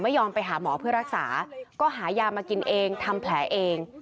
ยอมไปหาหมอเพื่อรักษาก็หายามากินเองทำแผลเอง